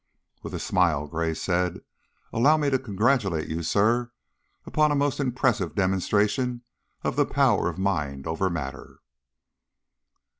With a smile Gray said, "Allow me to congratulate you, sir, upon a most impressive demonstration of the power of mind over matter."